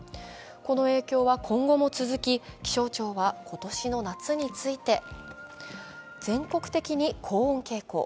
この影響は今後も続き、気象庁は今年の夏について、全国的に高温傾向。